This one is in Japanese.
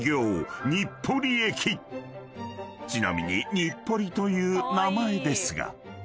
［ちなみに日暮里という名前ですが］